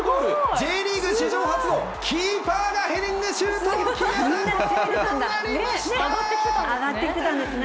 Ｊリーグ史上初のキーパーがヘディングシュートを決めてゴールと上がってきてたんですね。